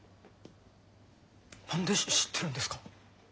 何で知ってるんですか？